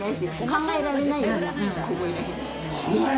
考えられない！？